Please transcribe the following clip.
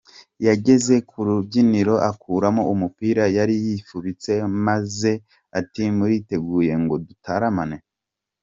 Yageze ku rubyiniro akuramo umupira yari yifubitse maze ati ‘Muriteguye ngo dutaramane’.